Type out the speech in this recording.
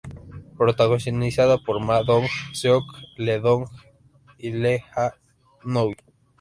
Protagonizada por Ma Dong-seok, Lee Dong-hwi y Lee Ha Nui.